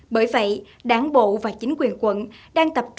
bởi vậy đảng bộ và chính quyền quận đang tập trung